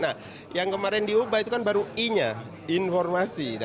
nah yang kemarin diubah itu kan baru i nya informasi